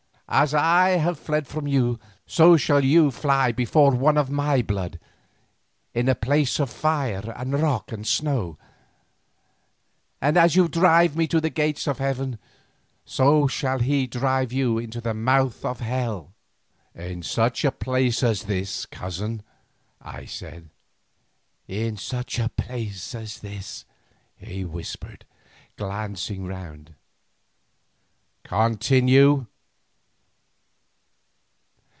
As I have fled from you, so shall you fly before one of my blood in a place of fire and rock and snow, and as you drive me to the gates of heaven, so he shall drive you into the mouth of hell.'" "In such a place as this, cousin," I said. "In such a place as this," he whispered, glancing round. "Continue."